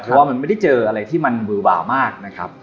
เพราะว่ามันไม่ได้เจออะไรที่มันบือวาวมากนะครับ